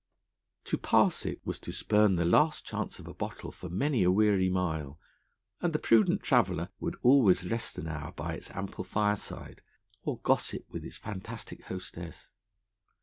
To pass it was to spurn the last chance of a bottle for many a weary mile, and the prudent traveller would always rest an hour by its ample fireside, or gossip with its fantastic hostess.